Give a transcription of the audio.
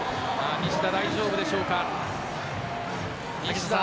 西田、大丈夫でしょうか。